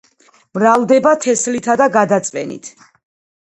მრავლდება თესლითა და გადაწვენით.